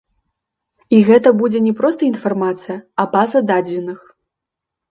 І гэта будзе не проста інфармацыя, а база дадзеных.